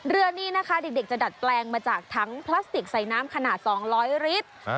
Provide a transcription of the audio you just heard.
เรือนี้นะคะเด็กจะดัดแปลงมาจากถังพลาสติกใส่น้ำขนาด๒๐๐ลิตร